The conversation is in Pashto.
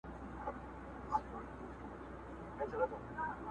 چي په ټولو حیوانانو کي نادان وو.!